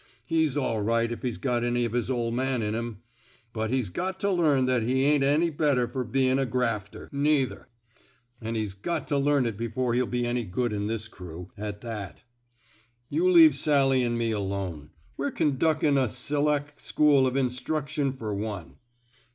He's all right if he's got any of his ol' man in him. But he's got to learn that he ain't any better fer bein' a grafter, 176 TRAINING '' SALLY '^ WATERS neither. An' he's got to leam it before he'll be any good in this crew, at that. ... You leave Sally an' me alone. We're con duckin' a selec' school of instruction fer one."